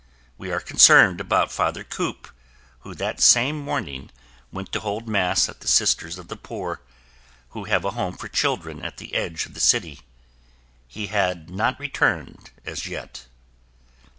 We are concerned about Father Kopp who that same morning, went to hold Mass at the Sisters of the Poor, who have a home for children at the edge of the city. He had not returned as yet.